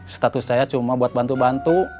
status saya cuma buat bantu bantu